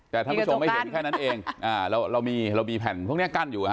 แต่ท่านผู้ชมไม่เห็นแค่นั้นเองเรามีเรามีแผ่นพวกนี้กั้นอยู่ฮะ